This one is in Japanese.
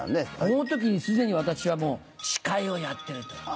この時すでに私はもう司会をやってるという。